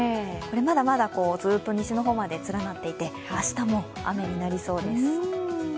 まだまだずっと西の方まで連なっていて明日も雨になりそうです。